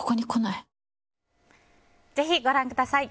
ぜひご覧ください。